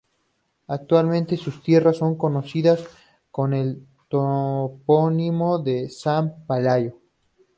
Actualmente sus tierras son conocidas con el topónimo de "San Pelayo".